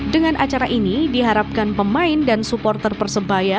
dengan acara ini diharapkan pemain dan supporter persebaya